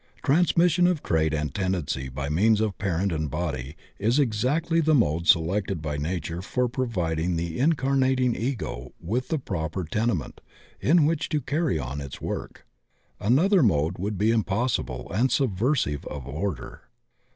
Transmission of trait and tendency by means of parent and body is exactly the mode selected by nature for providing the incarnating Ego with the proper tene ment in which to carry on its work. Another mode would be impossible and subversive of order.